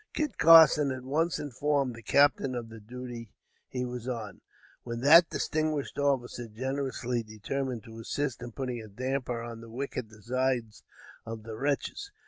Kit Carson at once informed the captain of the duty he was on, when that distinguished officer, generously determined to assist in putting a damper on the wicked designs of the wretches.